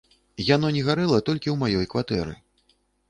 Яно не гарэла толькі ў маёй кватэры.